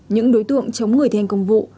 những đối tượng chống người thi hành công vụ